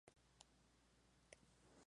Es hija del músico Tom Petty.